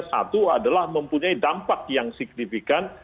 satu adalah mempunyai dampak yang signifikan